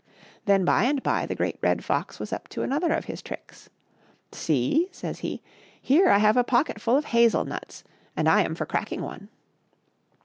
Then by and by the Great Red Fox was up to another of his tricks. " See," says he, " here I have a pocket ful of hazel nuts, and I am for cracking one.